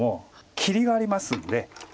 切りがありますんで。